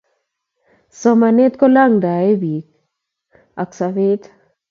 Somanet kolangtoi bich ako sobet